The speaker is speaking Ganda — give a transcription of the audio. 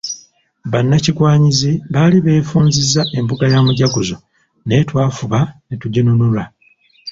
Bannakigwanyizi baali beefunzizza embuga ya Mujaguzo naye twafuba ne tuginunula.